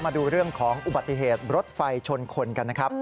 มาดูเรื่องของอุบัติเหตุรถไฟชนคนกันนะครับ